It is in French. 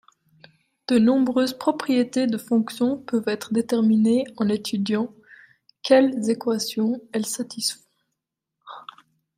De nombreuses propriétés de fonctions peuvent être déterminées en étudiant quelles équations elles satisfont.